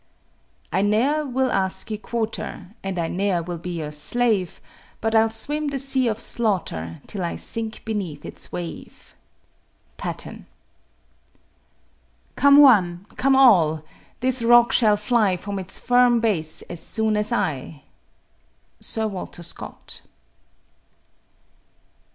I ne'er will ask ye quarter, and I ne'er will be your slave; But I'll swim the sea of slaughter, till I sink beneath its wave. PATTEN. Come one, come all. This rock shall fly From its firm base as soon as I. SIR WALTER SCOTT.